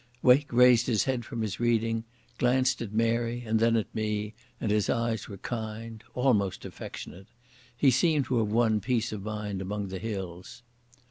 Wake raised his head from his reading, glanced at Mary and then at me, and his eyes were kind, almost affectionate. He seemed to have won peace of mind among the hills.